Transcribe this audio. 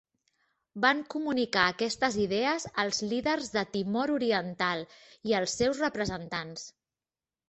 Van comunicar aquestes idees als líders de Timor Oriental i als seus representants.